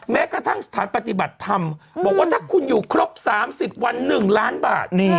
แม้กระทั่งสถานปฏิบัติธรรมบอกว่าถ้าคุณอยู่ครบ๓๐วัน๑ล้านบาท